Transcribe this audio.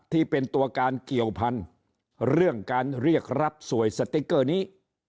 ที่เป็นตัวการเกี่ยวพันธุ์เรื่องการเรียกรับสวยสติ๊กเกอร์นี้